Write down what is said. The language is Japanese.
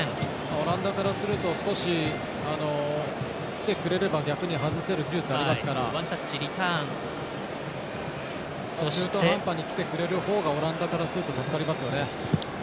オランダからすると少しきてくれれば外せる技術がありますから中途半端にきてくれるほうがオランダからすると助かりますよね。